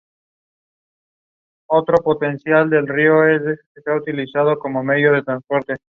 El segundo par de incisivos, situados posteriormente a los tradicionales, son notablemente más pequeños.